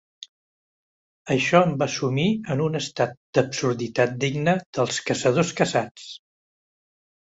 Això em va sumir en un estat d'absurditat digne dels caçadors caçats.